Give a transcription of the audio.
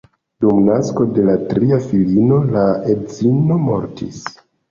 Dum nasko de la tria filino la edzino mortis.